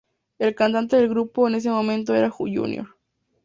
El cantante del grupo en ese momento era Junior.